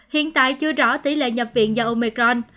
hiện tại chưa rõ tỷ lệ nhập viện do omecron